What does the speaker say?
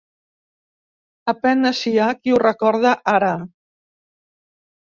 A penes hi ha qui ho recorde ara.